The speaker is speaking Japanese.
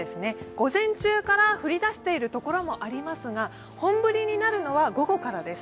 午前中から降り出している所もありますが本降りになるのは午後からです。